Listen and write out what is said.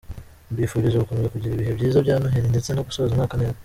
Mbifurije gukomeza kugira ibihe byiza bya Noheli ndetse no gusoza umwaka neza !